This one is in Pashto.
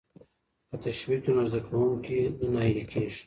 که تشویق وي نو زده کوونکی نه ناهیلی کیږي.